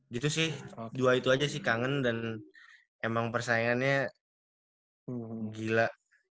gitu sih dua itu aja sih kangen dan emang persaingannya gila